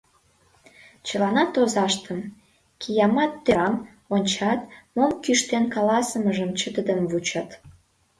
Чыланат озаштым, Киямат Тӧрам, ончат, мом кӱштен каласымыжым чытыдымын вучат.